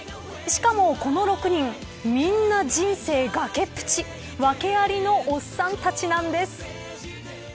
しかもこの６人、みんな人生崖っぷち訳ありのおっさんたちなんです。